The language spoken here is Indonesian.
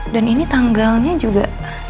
dan ini tanggalnya juga